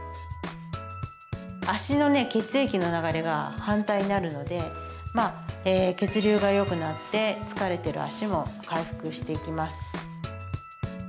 足の血液の流れが反対になるので血流がよくなって疲れてる足も回復していきます。